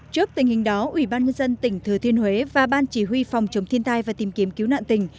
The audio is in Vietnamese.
trước tình hình đó ủy ban nhân dân tỉnh thừa thiên huế và ban chỉ huy phòng chống thiên tai và tìm kiếm cứu nạn tỉnh